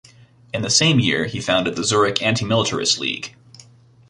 In the same year he founded the Zurich Antimilitarist League.